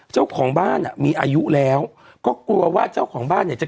เจ้าของบ้านอ่ะมีอายุแล้วก็กลัวว่าเจ้าของบ้านเนี่ยจะ